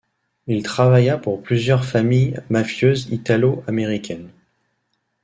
Il travailla pour plusieurs familles mafieuses italo-américaines.